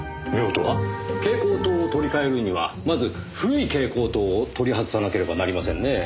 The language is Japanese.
蛍光灯を取り替えるにはまず古い蛍光灯を取り外さなければなりませんねぇ。